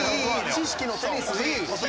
知識のテニスいい！